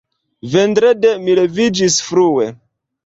Vendrede mi leviĝis frue.